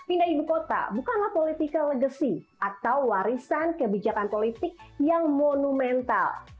indah ibu kota bukanlah politika legasi atau warisan kebijakan politik yang monumental